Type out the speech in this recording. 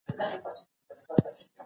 د ټولنې د کمزورو خلګو ملاتړ وکړئ.